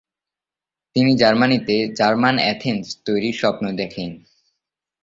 তিনি জার্মানিতে "German Athens" তৈরির স্বপ্ন দেখেন।